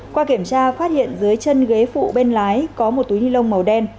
qua kiểm tra phát hiện dưới chân ghế phụ bên lái có một túi ni lông màu đen